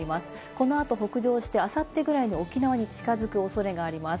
この後、北上してあさってぐらいに沖縄に近づく恐れがあります。